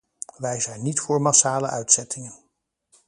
Wij zijn niet voor massale uitzettingen.